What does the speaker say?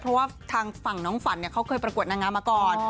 เพราะว่าทางฝั่งน้องฝันเขาเคยประกวดนางงามมาก่อน